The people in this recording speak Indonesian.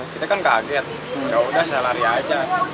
kita kan kaget yaudah saya lari aja